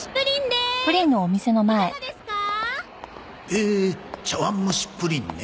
へえ茶わんむしプリンね